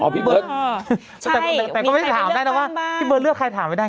อ๋อพี่เบิร์ตใช่มีใครได้เลือกตั้งบ้างเนี่ย